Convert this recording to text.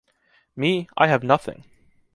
Me, I have nothing!